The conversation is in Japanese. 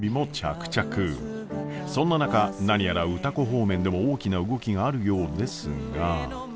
そんな中何やら歌子方面でも大きな動きがあるようですが。